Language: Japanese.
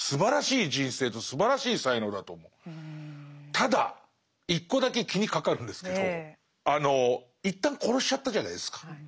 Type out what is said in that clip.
ただ一個だけ気にかかるんですけど一旦殺しちゃったじゃないですか。